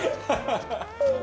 ハハハ！